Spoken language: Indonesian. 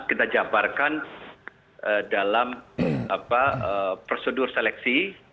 kita jabarkan dalam prosedur seleksi